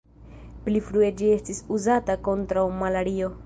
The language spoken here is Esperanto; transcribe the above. Pli frue ĝi estis uzata kontraŭ malario.